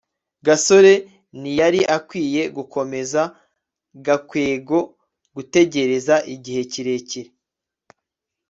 gasore ntiyari akwiye gukomeza gakwego gutegereza igihe kirekire